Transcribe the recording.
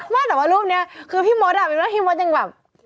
ไม่แต่ว่ารูปนี้คือพี่มดอ่ะเป็นว่าพี่มดยังแบบ